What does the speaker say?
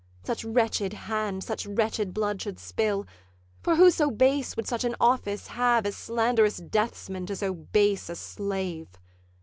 Such wretched hands such wretched blood should spill; For who so base would such an office have As slanderous deathsman to so base a slave?